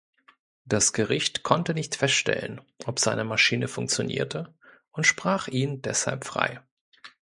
Das Gericht konnte nicht feststellen, ob seine Maschine funktionierte, und sprach ihn deshalb frei.